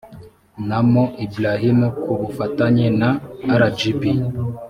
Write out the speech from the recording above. na mo ibrahim ku bufatanye na rgb